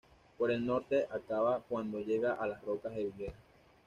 Por el norte acaba cuando llega a las rocas de Viguera.